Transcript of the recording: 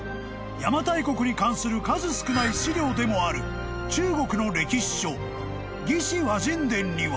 ［邪馬台国に関する数少ない資料でもある中国の歴史書］